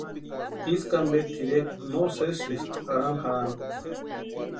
Ísku ampe tʼirekwa no sésïsti arhani jarhani.